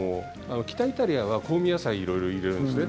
北イタリアは香味野菜いろいろ入れるんですね。